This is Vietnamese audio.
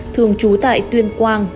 thường trú tại tuyên quang